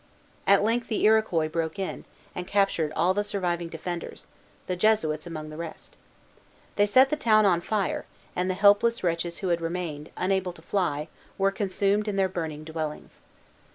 At length the Iroquois broke in, and captured all the surviving defenders, the Jesuits among the rest. They set the town on fire; and the helpless wretches who had remained, unable to fly, were consumed in their burning dwellings.